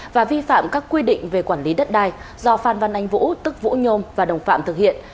và vi phạm các quy định về quản lý đất đai do phan văn anh vũ tức vũ nhôm và đồng phạm thực hiện